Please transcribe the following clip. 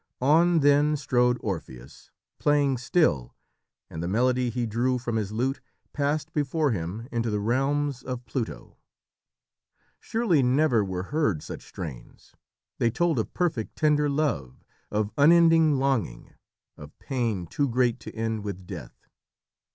On, then, strode Orpheus, playing still, and the melody he drew from his lute passed before him into the realms of Pluto. Surely never were heard such strains. They told of perfect, tender love, of unending longing, of pain too great to end with death.